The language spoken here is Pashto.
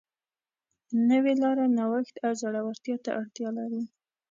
نوې لاره نوښت او زړهورتیا ته اړتیا لري.